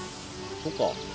そっか。